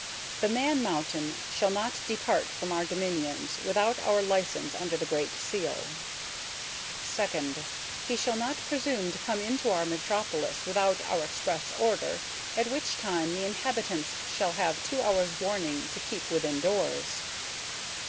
The Man Mountain shall not depart from our dominions without our license under the great seal. "Second. He shall not presume to come into our metropolis without our express order, at which time the inhabitants shall have two hours' warning to keep within doors.